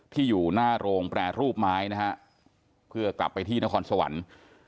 อยู่หน้าโรงแปรรูปไม้นะฮะเพื่อกลับไปที่นครสวรรค์